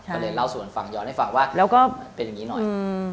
ก็เลยเล่าสู่กันฟังย้อนให้ฟังว่าแล้วก็เป็นอย่างนี้หน่อย